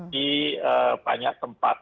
di banyak tempat